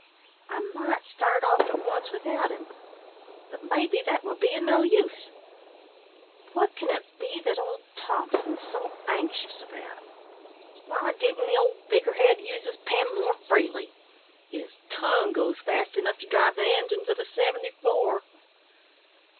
I might start off at once without him, but maybe that would be of no use. What can it be that old Thompson's so anxious about? Why didn't the old figur' head use his pen more freely his tongue goes fast enough to drive the engines of a seventy four.